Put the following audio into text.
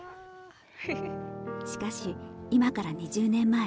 しかし今から２０年前。